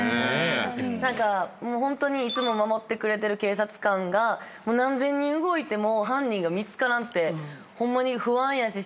何かもうホントにいつも守ってくれてる警察官が何千人動いても犯人が見つからんってホンマに不安やし。